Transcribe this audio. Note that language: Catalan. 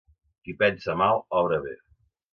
Qui pensa mal obra bé.